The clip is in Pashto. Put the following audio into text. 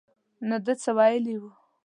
نه ده څه ویلي وو.